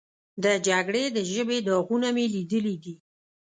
د جګړې د ژبې داغونه مې لیدلي دي.